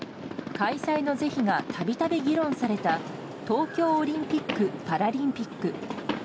開催の是非がたびたび議論された東京オリンピック・パラリンピック。